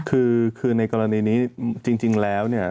คือคือในกรณีนี้จริงแล้วเนี่ย